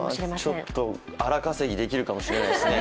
ちょっと荒稼ぎできるかもしれないですね。